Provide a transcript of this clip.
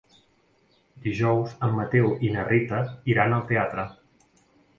Dijous en Mateu i na Rita iran al teatre.